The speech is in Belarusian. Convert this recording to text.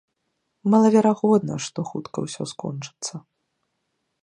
Малаверагодна, што хутка ўсё скончыцца.